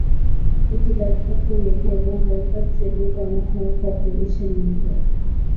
এটি ব্যাখ্যা করে কেন হাইপার-থ্রেডিং কর্মক্ষমতা অ্যাপ্লিকেশন-নির্ভর।